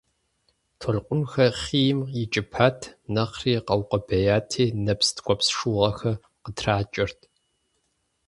Толъкъунхэр хъийм икӀыпат, нэхъри къэукъубеяти, нэпс ткӀуэпс шыугъэхэр къытракӀэрт.